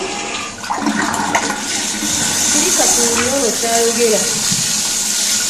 Sirika tuwulire ono kyayogera.